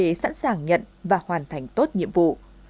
đảm bảo đồng chế sẵn sàng nhận và hoàn thành tốt nhiệm vụ